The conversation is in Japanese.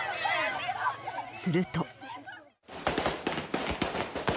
すると。